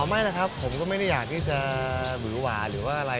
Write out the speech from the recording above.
ไม่นะครับผมก็ไม่ได้อยากที่จะหือหวาหรือว่าอะไร